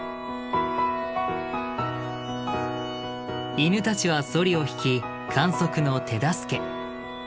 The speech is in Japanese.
犬たちはソリを引き観測の手助け。